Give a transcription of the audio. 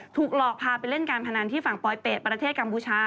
ถูกหลอกพาไปเล่นการพนันที่ฝั่งปลอยเป็ดประเทศกัมพูชา